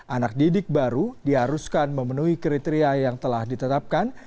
anak didik baru diharuskan memenuhi kriteria yang telah ditetapkan